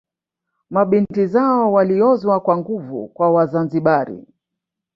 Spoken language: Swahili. Mabinti zao waliozwa kwa nguvu kwa Wazanzibari